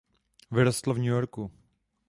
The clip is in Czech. Vyrostl v New Yorku.